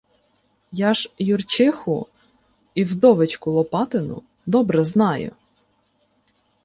Я ж Юрчиху і вдовичку Лопатину добре знаю.